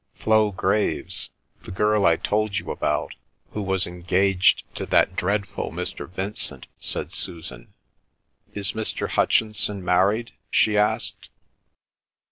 "Flo Graves—the girl I told you about, who was engaged to that dreadful Mr. Vincent," said Susan. "Is Mr. Hutchinson married?" she asked.